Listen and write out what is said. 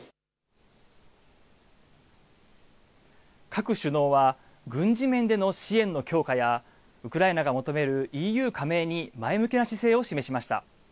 各首脳は軍事面での支援の強化や、ウクライナが求めるＥＵ加盟に前向きな姿勢を示しました。